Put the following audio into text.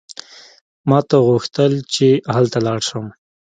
ما ته غوښتل چې هلته لاړ شم.